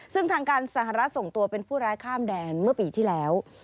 ซึ่งทางการสหรัฐส่งตัวเป็นผู้ร้ายข้ามแดนเมื่อปีที่แล้ว